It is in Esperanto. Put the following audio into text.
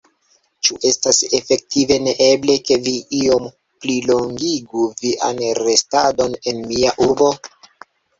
Ĉu estas efektive neeble, ke vi iom plilongigu vian restadon en nia urbo?